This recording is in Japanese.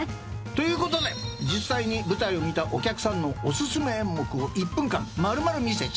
ということで実際に舞台を見たお客さんのお薦め演目を１分間丸々見せちゃう。